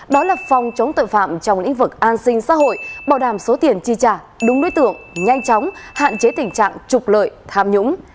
đó là phòng chống tội phạm trong lĩnh vực an sinh xã hội bảo đảm số tiền chi trả đúng đối tượng nhanh chóng hạn chế tình trạng trục lợi tham nhũng